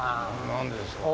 何でですか？